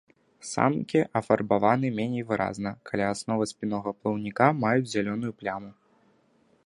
Самкі афарбаваны меней выразна, каля асновы спіннога плаўніка маюць зялёную пляму.